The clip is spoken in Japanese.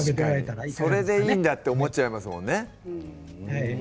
そうですねそれでいいんだと思っちゃいますよね。